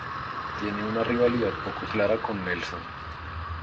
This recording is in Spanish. Tiene una rivalidad poco clara con Nelson.